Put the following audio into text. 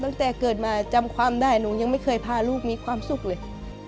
ตั้งแต่เกิดมาจำความได้หนูยังไม่เคยพาลูกมีความสุขเลย